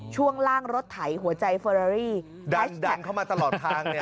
ช่วงล่างรถไถหัวใจเฟอรารี่ดันเข้ามาตลอดทางเนี่ย